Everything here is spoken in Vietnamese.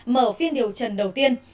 mở phiên điều trần đầu tiên